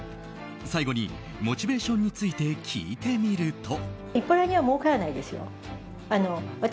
最後に、モチベーションについて聞いてみると。